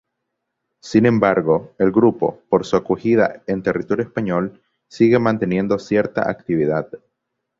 Sin embargo, el grupo, por su acogida en territorio español, sigue manteniendo cierta actividad.